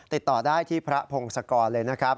ติดต่อได้ที่พระพงศกรเลยนะครับ